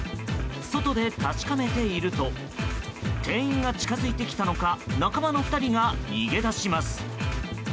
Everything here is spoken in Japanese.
外で確かめていると店員が近づいてきたのか仲間の２人が逃げ出します。